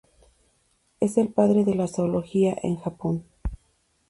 Es el "Padre de la zoología" en Japón.